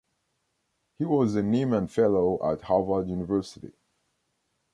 He was a Nieman Fellow at Harvard University.